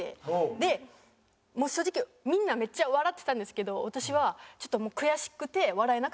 でもう正直みんなめっちゃ笑ってたんですけど私は悔しくて笑えなくてもう。